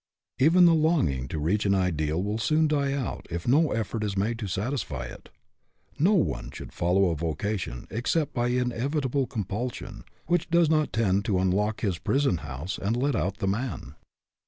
Even the longing to reach an ideal will soon die out if no effort is made to satisfy it. No one should follow a vocation, except by inevitable compulsion, which does not tend to unlock his prison house and let out the man.